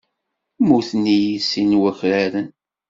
Mmuten-iyi sin n wakraren.